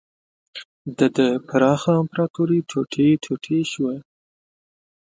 د ده پراخه امپراتوري ټوټې ټوټې شوه.